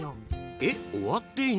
えっ終わっていない？